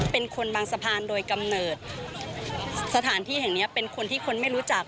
เป็นคนบางสะพานโดยกำเนิดสถานที่แห่งเนี้ยเป็นคนที่คนไม่รู้จัก